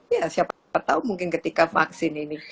iya siapa tahu mungkin ketika vaksin ini